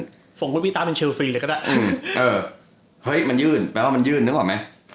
สมมติว่าคุณพี่ตายเป็นเชิลฟรีเลยก็ได้มันยื่นแปลว่ามันยื่นนึกออกไหม